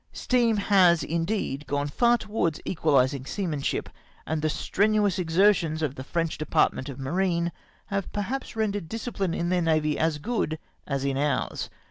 Steam has, indeed, gone far towards equahsing seamanship ; and the strenuous exertions of the French department of Marine have perhaps rendered discipline in their navy as good as in ours.